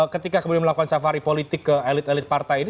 ketika kemudian melakukan safari politik ke elit elit partai ini